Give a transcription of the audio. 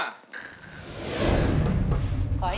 ขอให้โชคดีค่ะ